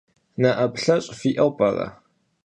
Nape'elheş' fi'eu p'ere?